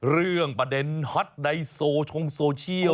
เรื่องประเด็นฮอตในโซชงโซเชียล